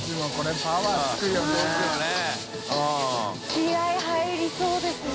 気合入りそうですね。